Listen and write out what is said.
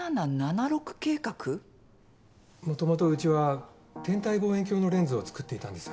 もともとうちは天体望遠鏡のレンズを作っていたんです。